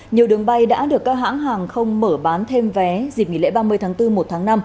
nhiều đường bay đã được các hãng hàng không mở bán thêm vé dịp nghỉ lễ ba mươi tháng bốn một tháng năm